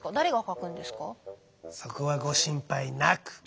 そこはご心配なく！